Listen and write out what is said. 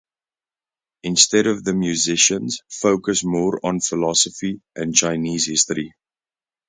Instead the musicians focus more on philosophy and Chinese history.